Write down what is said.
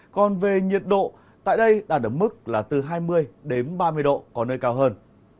còn về nhiệt độ tại đây đạt ở mức là từ hai mươi đến ba mươi độ có nơi cao hơn